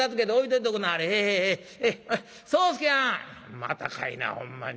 「またかいなほんまに。